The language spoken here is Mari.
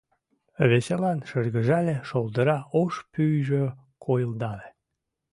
Веселан шыргыжале, шолдыра ош пӱйжӧ койылдале.